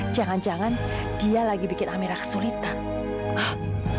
jangan jangan dia lagi bikin amira kesulitan